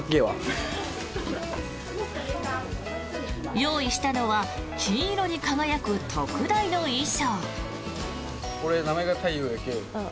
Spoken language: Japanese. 用意したのは金色に輝く特大の衣装。